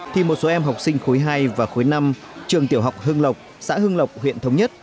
thì một số em học sinh khối hai và khối năm trường tiểu học hương lộc xã hương lộc huyện thống nhất